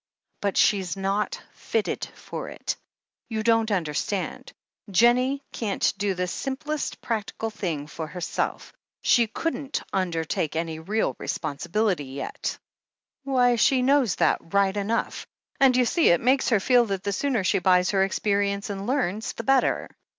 "But she's not fitted for it ! You don't understand. Jennie can't do the simplest practical thing for herself — she couldn't imdertake any real responsibility yet." "Why, she knows that right enough. And, you see, it makes her feel that the sooner she buys her experience and learns, the better.